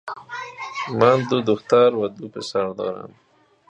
من دو دختر و دو پسر دارم.